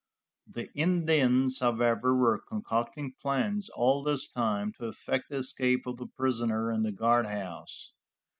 The Indians, however, were concocting plans all this time to effect the escape of the prisoner in the guardhouse.